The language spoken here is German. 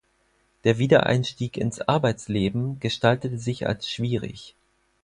Der Wiedereinstieg ins Arbeitsleben gestaltete sich als schwierig.